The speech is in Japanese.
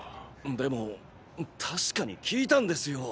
でも確かに聞いたんですよ。